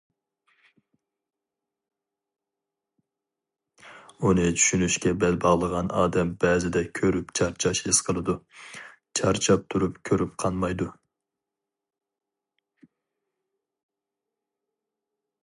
ئۇنى چۈشىنىشكە بەل باغلىغان ئادەم بەزىدە كۆرۈپ چارچاش ھېس قىلىدۇ، چارچاپ تۇرۇپ كۆرۈپ قانمايدۇ.